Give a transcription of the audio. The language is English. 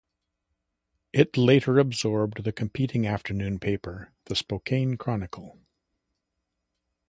It later absorbed the competing afternoon paper, the Spokane Chronicle.